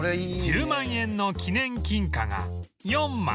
１０万円の記念金貨が４枚